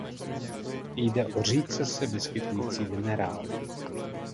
Jde o řídce se vyskytující minerál.